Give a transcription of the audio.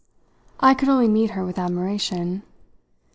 I could only meet her with admiration.